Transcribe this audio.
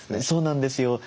そうなんですよ。